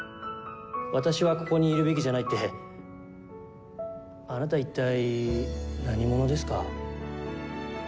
「私はここにいるべきじゃない」ってあなた一体何者ですか？